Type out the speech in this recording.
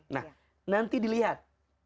nah nanti dilihat